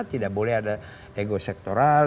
tidak boleh ada ego sektoral